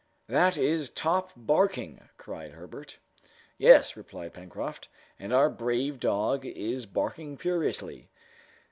"That is Top barking!" cried Herbert. "Yes," replied Pencroft, "and our brave dog is barking furiously!"